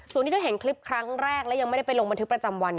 ส่วนที่เธอเห็นคลิปครั้งแรกและยังไม่ได้ไปลงบันทึกประจำวัน